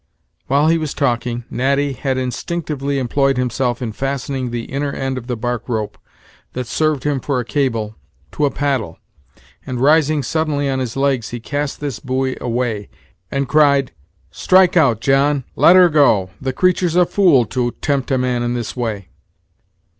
While he was talking, Natty had instinctively employed himself in fastening the inner end of the bark rope, that served him for a cable, to a paddle, and, rising suddenly on his legs, he cast this buoy away, and cried; "Strike out, John! let her go. The creatur's a fool to tempt a man in this way."